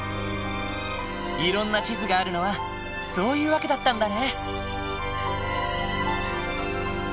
いろんな地図があるのはそういう訳だったんだね。